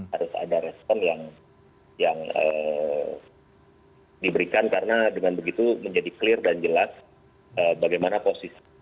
harus ada respon yang diberikan karena dengan begitu menjadi clear dan jelas bagaimana posisi